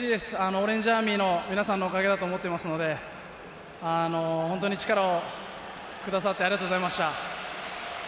オレンジアーミーの皆さんのおかげだと思っていますので、力をくださって、ありがとうございました。